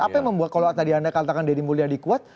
apa yang membuat kalau tadi anda katakan deddy mulyadi kuat